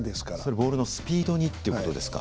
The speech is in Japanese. ボールのスピードにということですか？